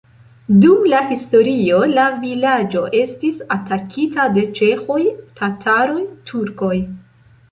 Dum la historio la vilaĝo estis atakita de ĉeĥoj, tataroj, turkoj.